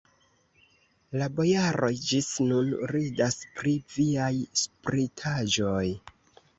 La bojaroj ĝis nun ridas pri viaj spritaĵoj.